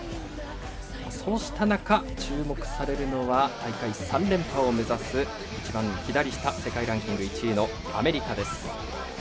そうした中注目されるのは大会３連覇を目指す一番左下世界ランキング１位のアメリカ。